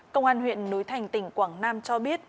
công an huyện núi thành tỉnh quảng nam cho biết